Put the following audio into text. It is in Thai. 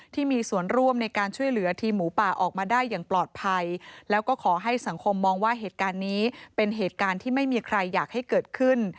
ที่มีส่วนร่วมในการช่วยเหลือทีมหมูป่าออกมาได้อย่างปลอดภัยแล้วก็ขอให้สังคมมองว่าเหตุการณ์นี้เป็นเหตุการณ์ที่ไม่มีใครอยากให้เกิดขึ้น